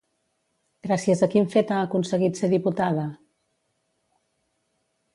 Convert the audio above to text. Gràcies a quin fet ha aconseguit ser diputada?